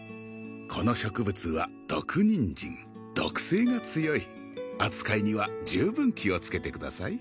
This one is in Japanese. この植物はドクニンジン毒性が強い扱いには十分気をつけてください